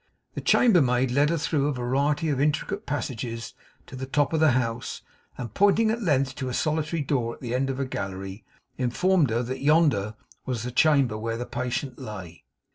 The chambermaid led her, through a variety of intricate passages, to the top of the house; and pointing at length to a solitary door at the end of a gallery, informed her that yonder was the chamber where the patient lay.